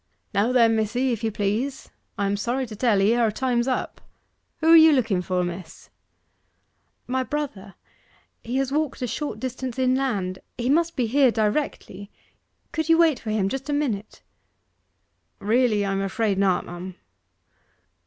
'Now then, missy, if you please. I am sorry to tell 'ee our time's up. Who are you looking for, miss?' 'My brother he has walked a short distance inland; he must be here directly. Could you wait for him just a minute?' 'Really, I am afraid not, m'm.